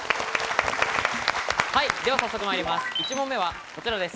では早速参ります。